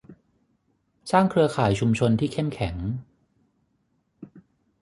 สร้างเครือข่ายชุมชนที่เข้มแข็ง